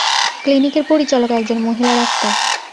ক্লিনিকের পরিচালক একজন মহিলা ডাক্তার।